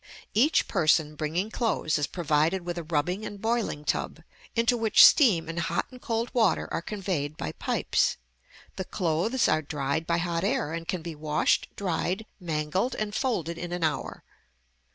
Each person bringing clothes is provided with a rubbing and boiling tub, into which steam and hot and cold water are conveyed by pipes. The clothes are dried by hot air, and can be washed, dried, mangled, and folded in an hour.